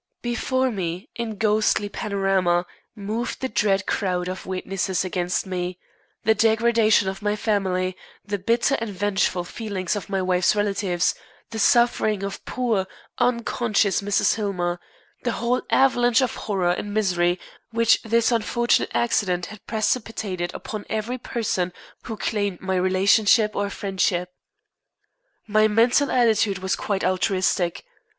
Before me, in ghostly panorama, moved the dread crowd of witnesses against me, the degradation of my family, the bitter and vengeful feelings of my wife's relatives, the suffering of poor, unconscious Mrs. Hillmer, the whole avalanche of horror and misery which this unfortunate accident had precipitated upon every person who claimed my relationship or friendship. My mental attitude was quite altruistic.